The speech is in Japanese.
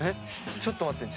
ちょっと待って。